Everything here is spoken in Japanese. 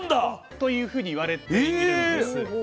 というふうに言われているんです。